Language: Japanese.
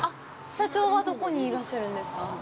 社長はどこにいらっしゃるんですか。